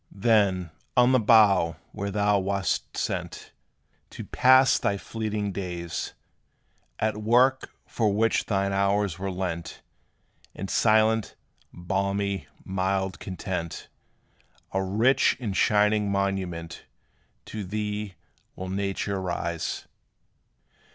Then, on the bough where thou wast sent To pass thy fleeting days, At work for which thine hours were lent, In silent, balmy, mild content, A rich and shining monument To thee will nature raise.